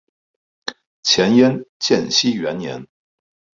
前燕建熙元年。